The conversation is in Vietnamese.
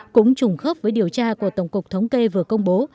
cũng trùng khớp với điều tra của tổng cục thống kê vừa công bố